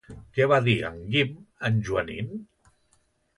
Què va dir en Guim a en Joanín?